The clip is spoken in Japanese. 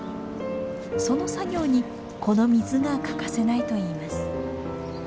その作業にこの水が欠かせないと言います。